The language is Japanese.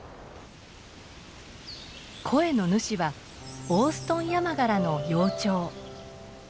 声の主はオーストンヤマガラの幼鳥。